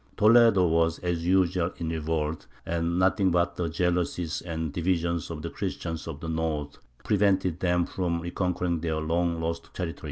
Toledo was, as usual, in revolt, and nothing but the jealousies and divisions of the Christians of the north prevented them from reconquering their long lost territory.